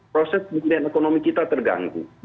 proses pemulihan ekonomi kita terganggu